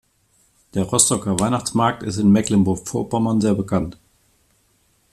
Der Rostocker Weihnachtsmarkt ist in Mecklenburg Vorpommern sehr bekannt.